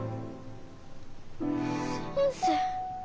先生。